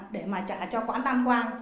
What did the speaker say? để mà trả cho quán đam quan